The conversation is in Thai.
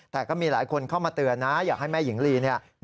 แต่ก็มีหลายคนเข้ามาเตือนนะอยากให้แม่หญิงลีเนี่ย